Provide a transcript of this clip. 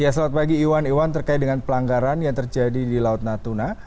selamat pagi iwan iwan terkait dengan pelanggaran yang terjadi di laut natuna